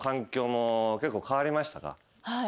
はい。